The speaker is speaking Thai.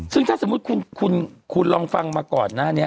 ซึ่งถ้าสมมุติคุณลองฟังมาก่อนหน้านี้